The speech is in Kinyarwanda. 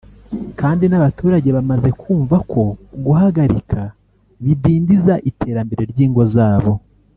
kandi n’abaturage bamaze kumva ko guharika bidindiza iterambere ry’ingo zabo